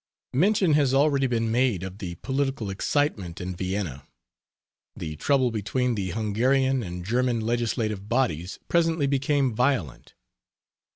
Mention has already been made of the political excitement in Vienna. The trouble between the Hungarian and German legislative bodies presently became violent.